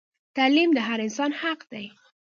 تعلیم د هر انسان حق دی